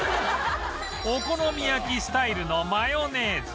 お好み焼きスタイルのマヨネーズ